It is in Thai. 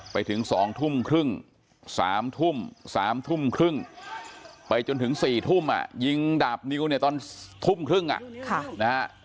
ไปถึงสองทุ่มครึ่งสามทุ่มสามทุ่มครึ่งไปจนถึงสี่ทุ่มอ่ะยิงดาบนิ้วเนี่ยตอนทุ่มครึ่งอ่ะ